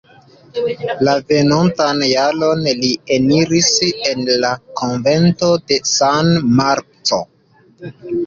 La venontan jaron li eniris en la konvento de San Marco.